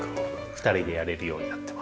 ２人でやれるようになってます。